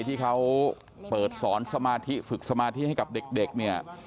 ที่เขาเปิดสอนสมาธิฝึกสมาธิให้กับเด็กเนี่ย